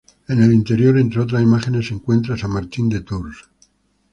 En el interior, entre otras imágenes, se encuentra San Martín de Tours.